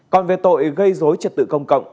còn về tội gây dối trật tự công cộng